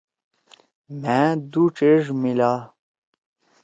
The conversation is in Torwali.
مھأ دُو ڇیڙ میِلا۔